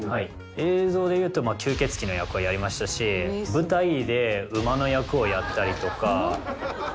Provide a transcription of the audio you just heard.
映像でいうと吸血鬼の役はやりましたし舞台で馬の役をやったりとか。